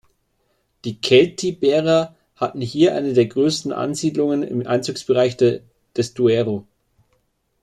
Die Keltiberer hatten hier eine der größten Ansiedlungen im Einzugsbereich des Duero.